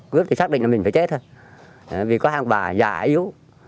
cứ xác định là mình phải chết thôi vì có hai ông bà già yếu